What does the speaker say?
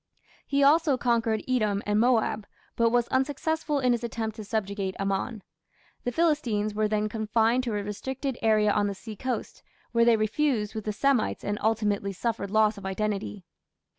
He also conquered Edom and Moab, but was unsuccessful in his attempt to subjugate Ammon. The Philistines were then confined to a restricted area on the seacoast, where they fused with the Semites and ultimately suffered loss of identity.